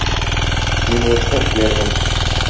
Мин ул эшне эшләрмен.